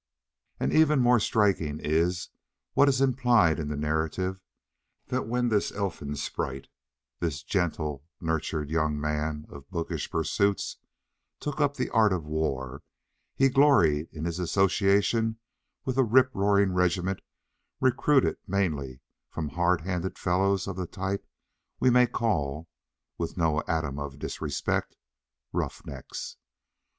And even more striking is what is implied in the narrative: that when this "elfin sprite," this gently nurtured young man of bookish pursuits, took up the art of war, he gloried in his association with a rip roaring regiment recruited mainly from hard handed fellows of the type we may call (with no atom of disrespect) roughnecks.